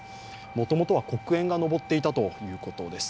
もともとは黒煙が上っていたということです。